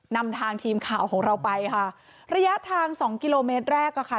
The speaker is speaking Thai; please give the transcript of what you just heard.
นำทางทีมข่าวของเราไปค่ะระยะทางสองกิโลเมตรแรกอ่ะค่ะ